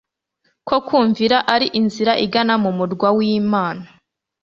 ko kumvira ari inzira igana mu Murwa wImana